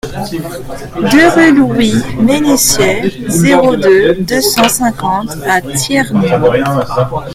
deux rue Louis Mennessier, zéro deux, deux cent cinquante à Thiernu